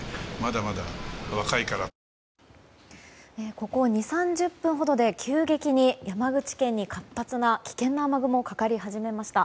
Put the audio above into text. ここ２０３０分ほどで急激に山口県に活発な危険な雨雲がかかり始めました。